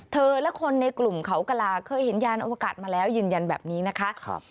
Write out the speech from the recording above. และคนในกลุ่มเขากระลาเคยเห็นยานอวกาศมาแล้วยืนยันแบบนี้นะคะ